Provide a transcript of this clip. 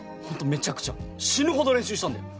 めちゃくちゃ死ぬほど練習したんだよ！